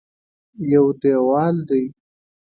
یو دېوال دی.